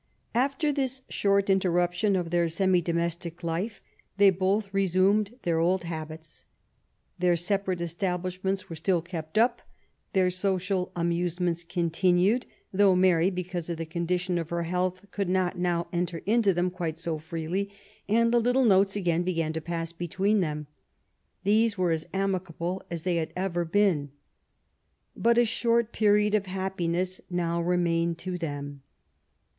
After this short inter ruption to their semi domestic life, they both resumed their old habits. Their separate establishments were still kept up, their social amusements continued,* though Mary, because of the condition of her health, could not now enter into them quite so freely, and the little notes again began to pass between them. These were as amicable as they had ever been. But a short period of happiness now remained to them.